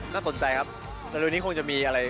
น่าสนใจครับเร็วนี้คงจะมีอะไร